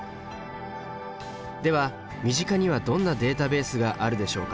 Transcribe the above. では身近にはどんなデータベースがあるでしょうか。